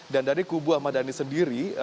dan dari kubu ahmad dhani sendiri